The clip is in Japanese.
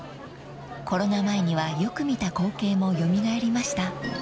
［コロナ前にはよく見た光景も蘇りました］